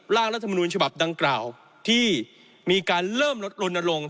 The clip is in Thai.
รัฐมนุนฉบับดังกล่าวที่มีการเริ่มลดลนลง